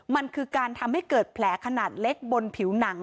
มันคือการทำให้เกิดแผลขนาดเล็กบนผิวหนัง